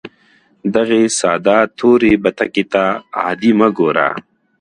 دغې ساده تورې بتکې ته عادي مه ګوره